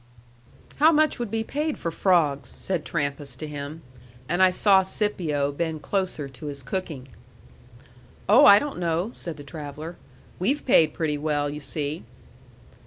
"How much would be paid for frogs?" said Trampas to him. And I saw Scipio bend closer to his cooking. "Oh, I don't know," said the traveller. "We've paid pretty well, you see."